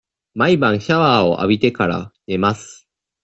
毎晩シャワーを浴びてから、寝ます。